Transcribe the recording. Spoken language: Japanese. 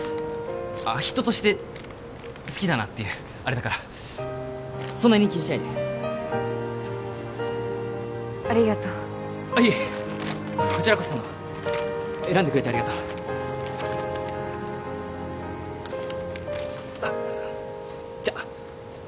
人として好きだなっていうあれだからそんなに気にしないでありがとうあっいえいえこちらこそ選んでくれてありがとうあっじゃっ